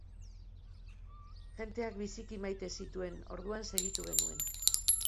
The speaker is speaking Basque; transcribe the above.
Jendeak biziki maite zituen, orduan segitu genuen.